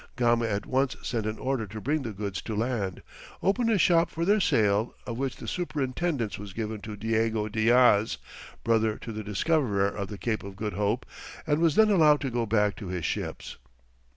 Gama at once sent an order to bring the goods to land, opened a shop for their sale, of which the superintendence was given to Diego Diaz, brother to the discoverer of the Cape of Good Hope, and was then allowed to go back to his ships.